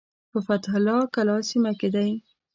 په فتح الله کلا سیمه کې دی.